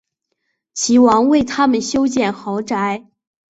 齐王为他们修建豪宅。